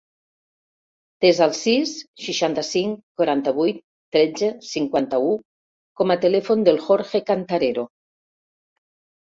Desa el sis, seixanta-cinc, quaranta-vuit, tretze, cinquanta-u com a telèfon del Jorge Cantarero.